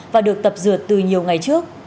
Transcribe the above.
và được tập dượt từ nhiều ngày trước